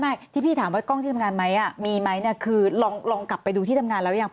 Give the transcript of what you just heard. ที่พี่ถามว่ากล้องที่ทำงานไหมมีไหมเนี่ยคือลองกลับไปดูที่ทำงานแล้วยัง